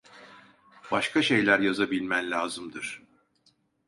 Başka şeyler yazabilmen lazımdır.